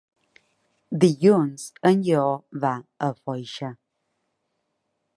Dilluns en Lleó va a Foixà.